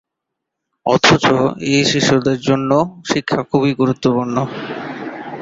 অথচ, এই শিশুদের জন্য শিক্ষা খুবই গুরুত্বপূর্ণ।